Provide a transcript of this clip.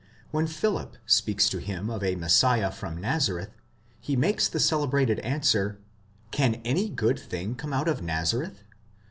When Philip speaks to him of a Messiah from Nazareth, he makes the cele brated answer, Can any good thing come out of Nazareth (v.